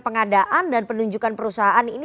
pengadaan dan penunjukan perusahaan ini